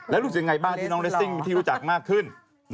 แล้วรู้สึกยังไงบ้างที่น้องเรสซิ่งที่รู้จักมากขึ้น